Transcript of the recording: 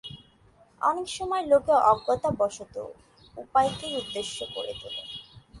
অনেক সময় লোকে অজ্ঞতাবশত উপায়কেই উদ্দেশ্য করে তোলে।